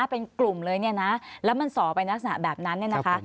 เป็นกลุ่มเลยเนี่ยนะแล้วมันส่อไปลักษณะแบบนั้นเนี่ยนะคะ